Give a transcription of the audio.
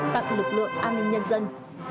tặng lực lượng an ninh nhân dân